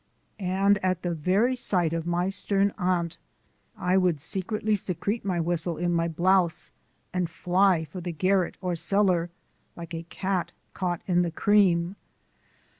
And at the very sight of my stern aunt I would instantly secrete my whistle in my blouse and fly for the garret or cellar, like a cat caught in the cream.